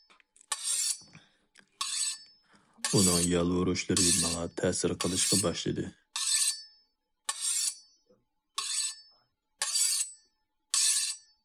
ئۇنىڭ يالۋۇرۇشلىرى ماڭا تەسىر قىلىشقا باشلىدى.